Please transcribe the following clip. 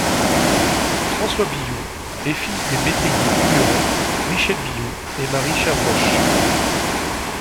François Billoux est fils des métayers vignerons Michel Billoux et Marie Chavroche.